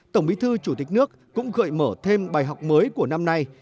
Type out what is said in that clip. tổng bí thư chủ tịch nước cũng gợi mở thêm bài học mới của năm nay